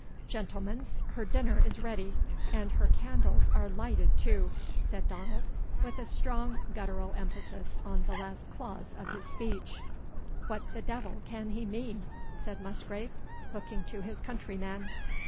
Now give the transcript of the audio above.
"Gentlemens, her dinner is ready, and HER CANDLES ARE LIGHTED TOO," said Donald, with a strong guttural emphasis on the last clause of his speech. "What the devil can he mean?" said Musgrave, looking to his countryman.